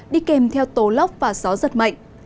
đi kèm theo tổ lóc và gió rất mạnh